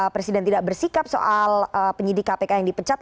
presiden tidak bersikap soal penyidik kpk yang dipecat